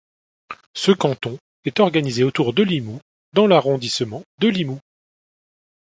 Ce canton est organisé autour de Limoux dans l'arrondissement de Limoux.